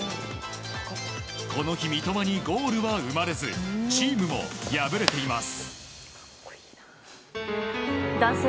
この日、三笘にゴールは生まれずチームも敗れています。